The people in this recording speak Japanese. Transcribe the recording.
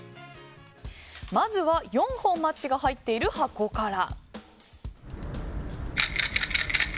まずは４本マッチが入っている箱から。